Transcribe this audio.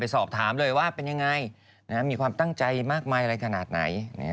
สอบถามเลยว่าเป็นยังไงมีความตั้งใจมากมายอะไรขนาดไหน